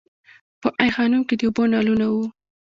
په ای خانم کې د اوبو نلونه وو